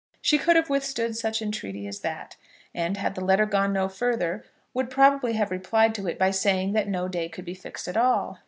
She could have withstood such entreaty as that, and, had the letter gone no further, would probably have replied to it by saying that no day could be fixed at all.